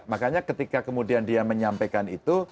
makanya ketika kemudian dia menyampaikan itu